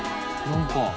何か。